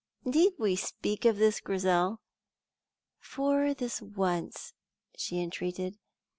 "Need we speak of this, Grizel?" "For this once," she entreated.